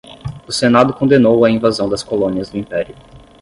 O senado condenou a invasão das colônias do império.